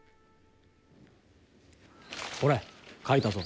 ほれ書いたぞ。